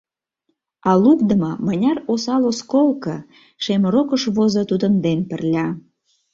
А лукдымо мыняр осал осколко Шем рокыш возо тудын ден пырля.